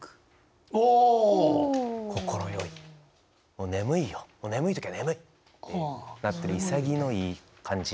もう眠いよ眠い時は眠いってなってるいさぎのいい感じ。